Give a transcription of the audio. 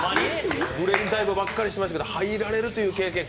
ブレインダイブばっかりやってましたけど、入られるという経験は？